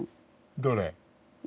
どれ？